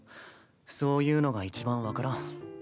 そういうのがいちばん分からん。